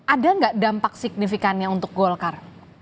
ada nggak dampak signifikannya untuk golkar